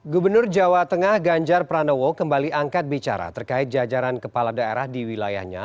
gubernur jawa tengah ganjar pranowo kembali angkat bicara terkait jajaran kepala daerah di wilayahnya